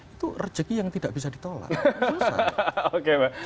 itu rezeki yang tidak bisa ditolak